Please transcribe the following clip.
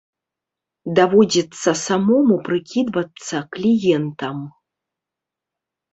Даводзіцца самому прыкідвацца кліентам.